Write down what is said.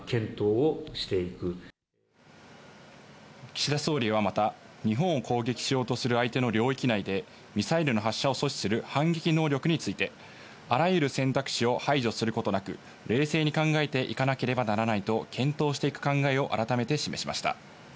岸田総理はまた日本を攻撃しようとする相手の領域内でミサイルの発射を阻止する反撃能力について、あらゆる選択肢を排除することなく冷静に考えていかなければならないと検討していく考えを改めて示しました。